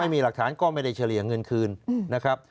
ไม่มีหลักฐานก็ไม่ได้เฉลี่ยเงินคืนนะครับ